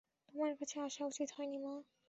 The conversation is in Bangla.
তোমার কাছে আসা উচিত হয়নি, মা।